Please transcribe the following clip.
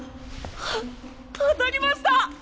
あ当たりました！